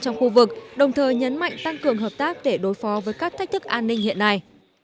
trong khu vực đồng thời nhấn mạnh tăng cường hợp tác để đối phó với các thách thức an ninh hiện nay